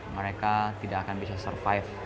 mereka tidak akan bisa survive